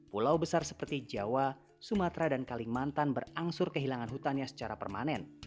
pulau besar seperti jawa sumatera dan kalimantan berangsur kehilangan hutannya secara permanen